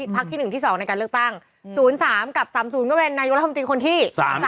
ที่๑ที่๒ในการเลือกตั้ง๐๓กับ๓๐ก็เป็นนายกรัฐมนตรีคนที่๓๐